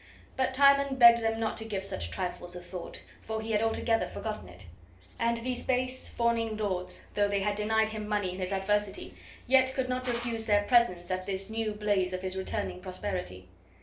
But Timon begged them not to give such trifles a thought, for he had altogether forgotten it. And these base, fawning lords, though they had denied him money in his adversity, yet could not refuse their presence at this new blaze of his returning prosperity.